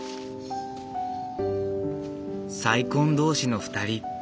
再婚同士の２人。